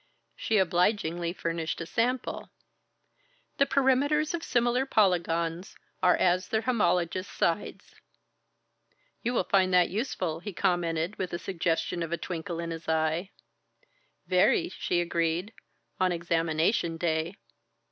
She obligingly furnished a sample: "The perimeters of similar polygons are as their homologous sides." "You will find that useful," he commented with the suggestion of a twinkle in his eye. "Very," she agreed "on examination day."